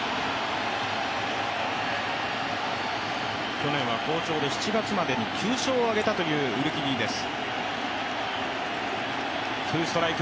去年は好調で７月までに９勝を挙げたウルキディです。